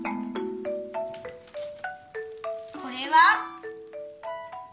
これは？